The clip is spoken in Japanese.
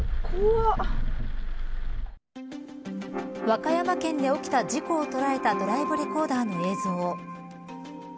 和歌山県で起きた事故を捉えたドライブレコーダーの映像。